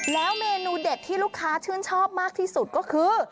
แล้วเมนูเด็ดที่ลูกค้าชื่นชอบมากที่สุดก็คือ